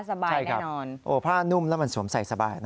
สบายแน่นอนโอ้โฮผ้านุ่มและมันสวมใส่สบายนะ